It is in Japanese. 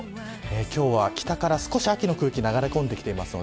今日は北から少し秋の空気が流れ込んできています。